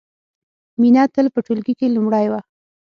مینه تل په ټولګي کې لومړۍ وه